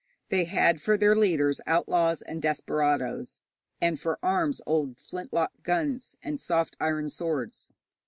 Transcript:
They had for their leaders outlaws and desperadoes, and for arms old flint lock guns and soft iron swords.